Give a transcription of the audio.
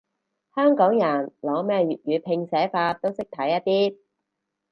香港人，攞咩粵語拼寫法都識睇一啲